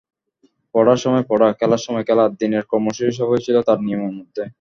পড়ার সময় পড়া, খেলার সময় খেলা—দিনের কর্মসূচির সবই ছিল তার নিয়মের মধ্যেই।